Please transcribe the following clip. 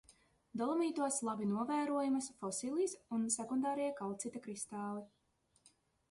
Dolomītos labi novērojamas fosilijas un sekundārie kalcīta kristāli.